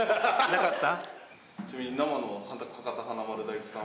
なかった？